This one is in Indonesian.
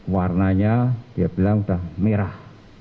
warnanya dia bilang sudah merah